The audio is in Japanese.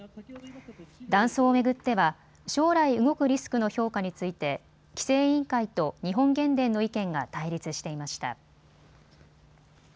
断層を巡っては将来動くリスクの評価について規制委員会と日本原電の意見が対立していました。